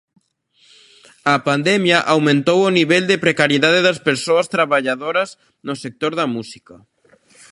A pandemia aumentou o nivel de precariedade das persoas traballadoras no sector da música.